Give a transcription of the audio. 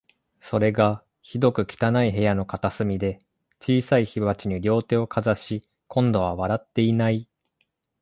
それが、ひどく汚い部屋の片隅で、小さい火鉢に両手をかざし、今度は笑っていない